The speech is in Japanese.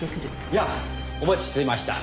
やあお待ちしていました。